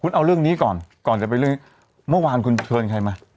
เอาเรื่องนี้ก่อนก่อนจะไปเรื่องนี้เมื่อวานคุณเชิญใครมา